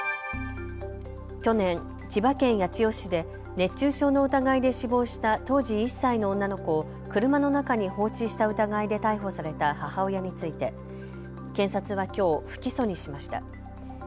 去年、千葉県八千代市で熱中症の疑いで死亡した当時１歳の女の子を車の中に放置した疑いで逮捕された母親について検察はきょう不起訴にしました。